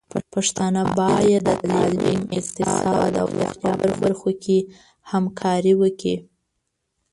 پښتانه بايد د تعليم، اقتصاد او روغتيا په برخو کې همکاري وکړي.